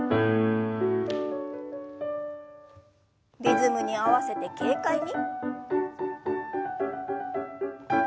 リズムに合わせて軽快に。